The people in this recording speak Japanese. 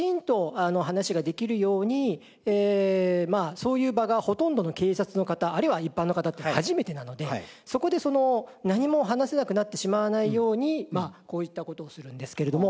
そういう場がほとんどの警察の方あるいは一般の方って初めてなのでそこで何も話せなくなってしまわないようにこういった事をするんですけれども。